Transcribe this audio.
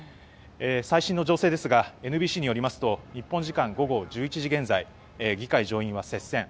最新の情勢ですがＮＢＣによりますと日本時間午後１１時現在議会上院は接戦。